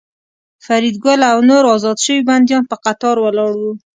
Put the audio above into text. فریدګل او نور ازاد شوي بندیان په قطار ولاړ وو